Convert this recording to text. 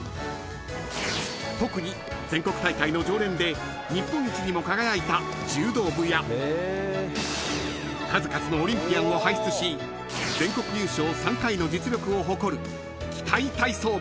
［特に全国大会の常連で日本一にも輝いた柔道部や数々のオリンピアンを輩出し全国優勝３回の実力を誇る器械体操部］